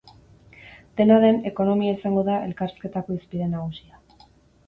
Dena den, ekonomia izango da elkarrizketako hizpide nagusia.